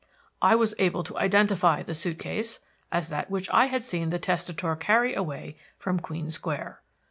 I was able to identify the suit case as that which I had seen the testator carry away from Queen Square.